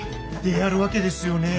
であるわけですよね。